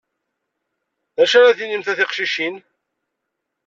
D acu ara tinimt a tiqcicin?